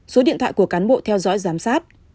số điện thoại của cán bộ theo dõi giám sát